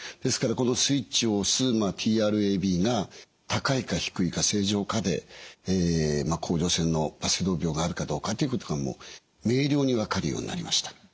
このスイッチを押すＴＲＡｂが高いか低いか正常かで甲状腺のバセドウ病があるかどうかということが明瞭に分かるようになりました。